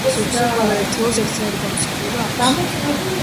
ზურგზე ყველა ერთეულს ერთნაირი გამოსახულება აქვს.